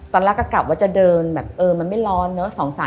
ตอนแรกก็กลับว่าจะเดินแบบเออมันไม่ร้อนเนอะ